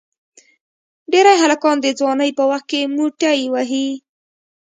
ډېری هلکان د ځوانی په وخت کې موټی وهي.